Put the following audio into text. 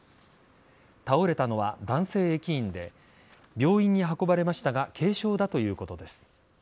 倒れたのは男性駅員で病院に運ばれましたが軽傷だということです。